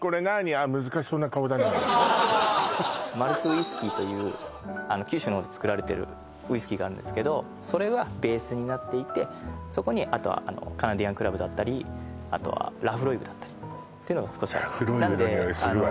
あっマルスウイスキーという九州の方で作られてるウイスキーがあるんですけどそれがベースになっていてそこにあとはあのカナディアンクラブだったりあとはラフロイグだったりってのが少しラフロイグの匂いするわ